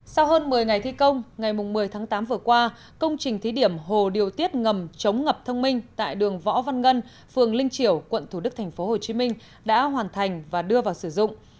sau hơn một mươi ngày thi công ngày một mươi tháng tám vừa qua công trình thí điểm hồ điều tiết ngầm chống ngập thông minh tại đường võ văn ngân phường linh triểu quận thủ đức tp hcm đã hoàn thành và đưa vào sử dụng